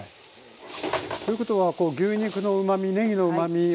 ということはこう牛肉のうまみねぎのうまみを。